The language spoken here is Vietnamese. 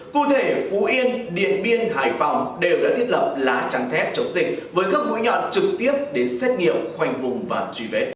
cụ thể phú yên điện biên hải phòng đều đã thiết lập lá trắng thép chống dịch